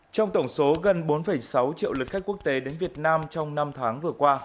trong tổng số gần bốn sáu triệu lượt khách quốc tế đến việt nam trong năm tháng vừa qua